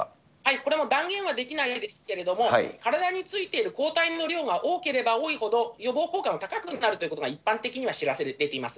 これも断言はできないんですけれども、体についている抗体の量が多ければ多いほど、予防効果は高くなるということが一般的には知らされています。